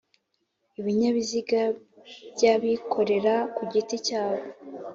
Ibinyabiziga by'abikorera ku giti cyabo